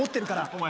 お前